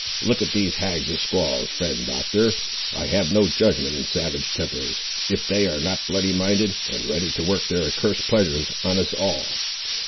Look at these hags of squaws, friend Doctor; I have no judgment in savage tempers, if they are not bloody minded, and ready to work their accursed pleasures on us all.